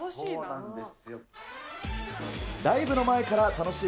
楽しい。